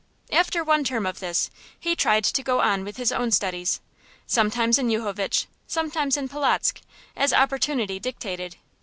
After one term of this, he tried to go on with his own studies, sometimes in Yuchovitch, sometimes in Polotzk, as opportunity dictated.